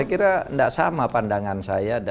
saya kira tidak sama pandangan saya dan mas budi